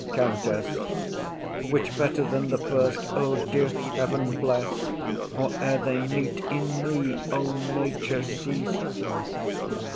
COUNTESS. Which better than the first, O dear heaven, bless! Or, ere they meet, in me, O nature, cesse!